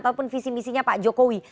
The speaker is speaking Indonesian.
ataupun visi misinya pak jokowi